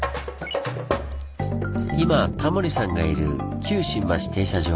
今タモリさんがいる旧新橋停車場。